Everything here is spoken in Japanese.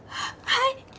はい！